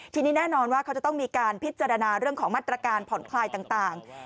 ทีนี้แน่นอนว่าเขาจะต้องมีการพิจารณาเรื่องของมาตรการผ่อนคลายต่าง